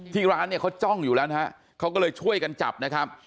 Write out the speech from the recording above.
ร้านเนี่ยเขาจ้องอยู่แล้วนะฮะเขาก็เลยช่วยกันจับนะครับ